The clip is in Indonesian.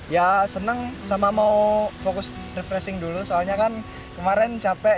ya senang sama mau fokus refreshing dulu soalnya kan kemarin capek